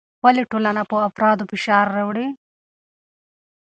ولې ټولنه پر افرادو فشار راوړي؟